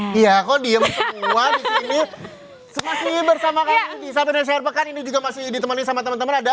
hai ya kok diem semua ini seperti bersama saya ini juga masih ditemani sama teman teman ada